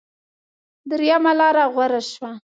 درېمه لاره غوره شوه.